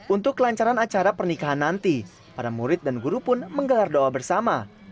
untuk kelancaran acara pernikahan nanti para murid dan guru pun menggelar doa bersama